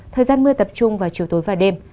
thời gian mưa tập trung vào chiều tối và đêm